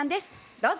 どうぞ。